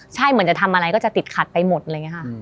ใช่เหมือนจะทำอะไรก็จะติดขัดไปหมดเลยไงค่ะ